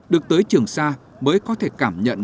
được tới trường xa mới có thể cảm nhận